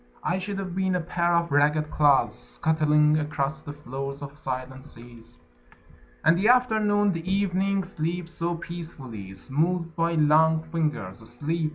... I should have been a pair of ragged claws Scuttling across the floors of silent seas. ..... And the afternoon, the evening, sleeps so peacefully! Smoothed by long fingers, Asleep